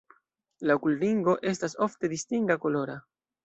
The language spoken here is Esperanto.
La okulringo estas ofte distinga kolora.